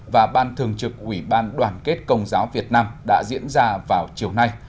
và ban thường trực ủy ban đoàn kết công giáo việt nam đã diễn ra vào chiều nay